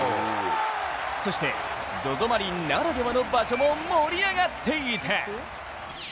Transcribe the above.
そしてＺＯＺＯマリンならではの場所も盛り上がっていた。